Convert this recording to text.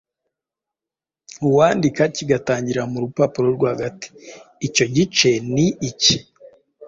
uwandika kigatangirira mu rupapuro rwagati. Icyo gice ni iki: